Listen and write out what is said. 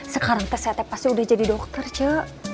sekarang teh cece pasti udah jadi dokter ce